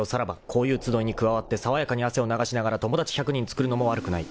こういう集いに加わってさわやかに汗を流しながら友達１００人つくるのも悪くない］